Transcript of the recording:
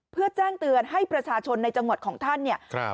เพื่อแจ้งเตือนให้ประชาชนในจังหวัดของท่านเนี่ย